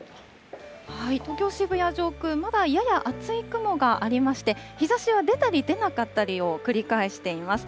東京・渋谷上空、まだやや厚い雲がありまして、日ざしは出たり出なかったりを繰り返しています。